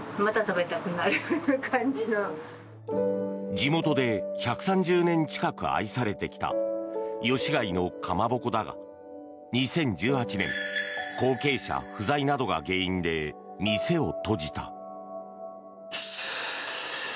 地元で１３０年近く愛されてきた吉開のかまぼこだが２０１８年後継者不在などが原因で店を閉じた。